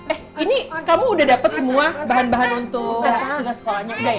eh ini kamu udah dapet semua bahan bahan untuk tiga sekolahnya udah ya